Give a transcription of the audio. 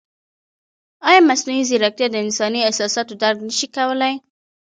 ایا مصنوعي ځیرکتیا د انساني احساساتو درک نه شي کولی؟